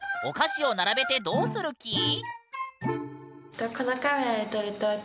お菓子を並べてどうする気？